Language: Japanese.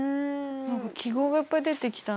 何か記号がいっぱい出てきたね。